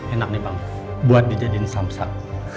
enak nih pang buat dijadiin samsak